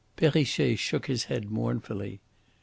Perrichet shook his head mournfully.